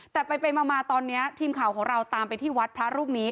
แต่ไปมาตอนนี้ทีมข่าวของเราตามไปที่วัดพระรูปนี้